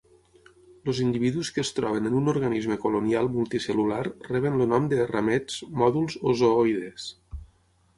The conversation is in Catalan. Els individus que es troben en un organisme colonial multicel·lular reben el nom de ramets, mòduls o zooides.